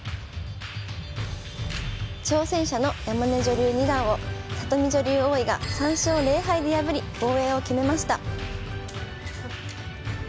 挑戦者の山根女流二段を里見女流王位が３勝０敗で破り防衛を決めました。